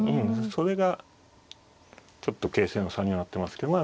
それがちょっと形勢の差にはなってますけどま